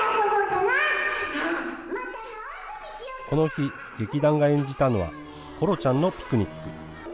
この日、劇団が演じたのは、コロちゃんのピクニック。